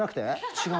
違う！